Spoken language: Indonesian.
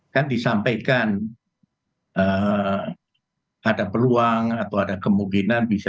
kan disampaikan ada peluang atau ada kemungkinan bisa